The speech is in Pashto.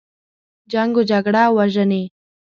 جنګ و جګړه او وژنې.